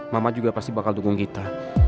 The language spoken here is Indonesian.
mama juga pasti bakal dukung kita